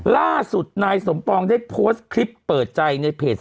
ล่าสุดนายสมปองได้โพสต์คลิปเปิดใจในเพจ